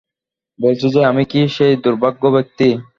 বলছি যে, আমি কি সেই দুর্ভাগা ব্যাক্তি!